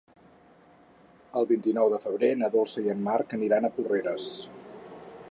El vint-i-nou de febrer na Dolça i en Marc aniran a Porreres.